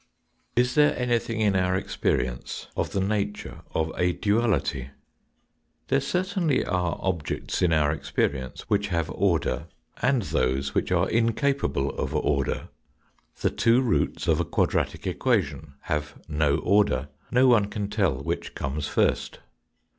Is there anything in our experience of the nature of a duality ? There certainly are objects in our experience which have order and those which are incapable of order. The two roots of a quadratic equation have no order. No one can tell which comes first.